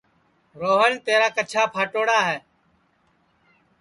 روہن تیرا کچھا پھاٹوڑا ہے